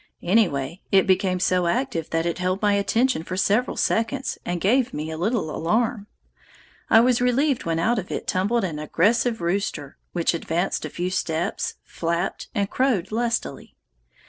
Anyway it became so active that it held my attention for several seconds, and gave me a little alarm. I was relieved when out of it tumbled an aggressive rooster, which advanced a few steps, flapped, and crowed lustily.